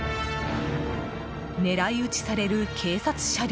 狙い撃ちされる警察車両。